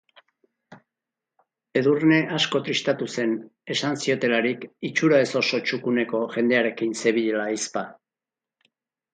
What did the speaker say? Edurne asko tristatu zen esan ziotelarik itxura ez oso txukuneko jendearekin zebilela ahizpa.